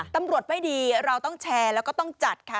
ตำรวจไม่ดีเราต้องแชร์แล้วก็ต้องจัดค่ะ